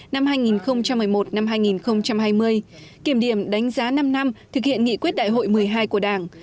năm hai nghìn một mươi một hai nghìn hai mươi kiểm điểm đánh giá năm năm thực hiện nghị quyết đại hội một mươi hai của đảng